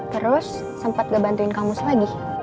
terus sempat gak bantuin kamu lagi